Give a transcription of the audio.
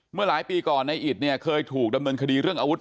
เมื่อหลายปีก่อนในอิตเนี่ยเคยถูกดำเนินคดีเรื่องอาวุธ